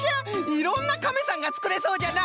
いろんなカメさんがつくれそうじゃな。